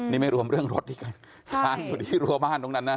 นี่ไม่รวมเรื่องรถที่รั่วบ้านตรงนั้นนะ